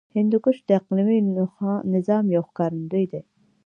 هندوکش د اقلیمي نظام یو ښکارندوی دی.